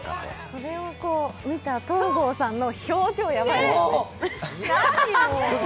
それを見た東郷さんの表情、やばいですよね。